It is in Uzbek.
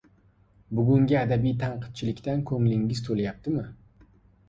– Bugungi adabiy tanqidchilikdan ko‘nglingiz to‘layaptimi?